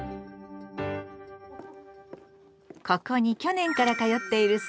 ここに去年から通っているそうたくん。